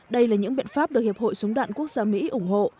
đây là những biện pháp được hiệp hội súng đạn quốc gia mỹ ủng hộ